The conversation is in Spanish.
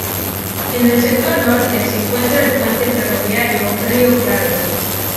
En el sector norte se encuentra el Puente Ferroviario Río Claro.